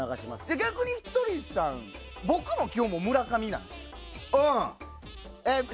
逆にひとりさん僕の基本も村上なんですよ。